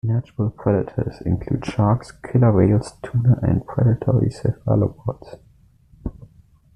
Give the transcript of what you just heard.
Natural predators include sharks, killer whales, tuna and predatory cephalopods.